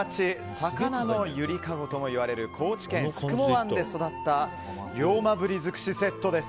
魚のゆりかごともいわれる高知県宿毛湾で育った龍馬鰤尽くしセットです。